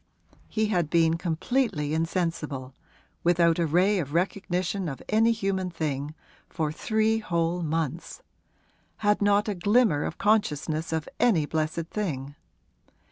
He had been completely insensible without a ray of recognition of any human thing for three whole months; had not a glimmer of consciousness of any blessed thing.